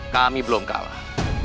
kami belum kalah